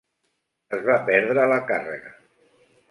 Es va perdre la càrrega.